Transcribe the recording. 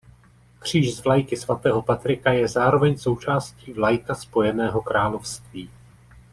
Kříž z vlajky svatého Patrika je zároveň součástí vlajka Spojeného království.